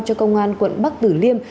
cho công an quận bắc tử liêm